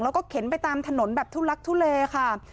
แล้วก็เข็นไปตามถนนแบบทุลักทุเลค่ะ